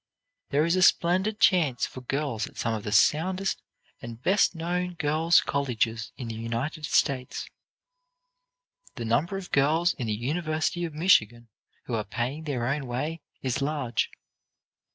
There is a splendid chance for girls at some of the soundest and best known girls' colleges in the United States. The number of girls in the University of Michigan who are paying their own way is large.